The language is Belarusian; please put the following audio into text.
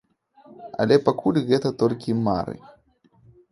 Але пакуль гэта толькі мары.